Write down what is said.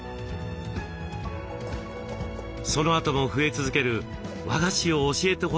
そのあとも増え続ける「和菓子を教えてほしい」という声。